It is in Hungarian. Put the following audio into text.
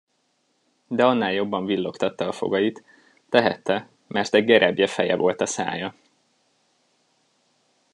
De annál jobban villogtatta a fogait; tehette, mert egy gereblye feje volt a szája.